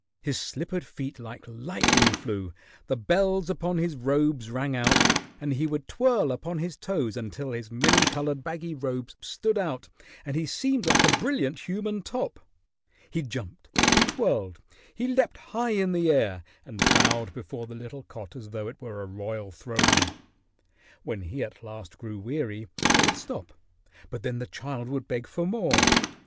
His slippered feet like lightning flew; the bells upon his robes rang out, and he would twirl upon his toes until his many colored baggy robes stood out and he seemed like a brilliant human top. He jumped, he twirled, he leaped high in the air and bowed before the little cot as though it were a royal throne. When he at last grew weary, he would stop, but then the child would beg for more.